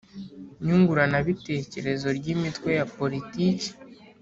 Nyunguranabitekerezo ry imitwe ya politiki